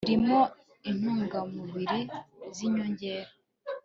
birimo intungamubiri z'inyongera